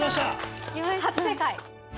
初正解。